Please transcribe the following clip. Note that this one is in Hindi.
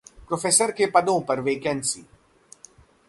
प्रोफेसर के पदों पर वैकेंसी